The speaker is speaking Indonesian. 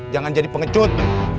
jangan jadi pengecut